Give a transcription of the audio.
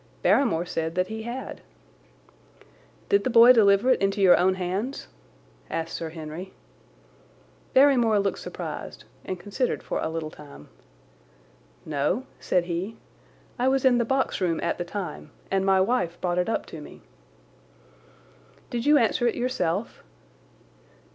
Barrymore said that he had. "Did the boy deliver it into your own hands?" asked Sir Henry. Barrymore looked surprised, and considered for a little time. "No," said he, "I was in the box room at the time, and my wife brought it up to me." "Did you answer it yourself?"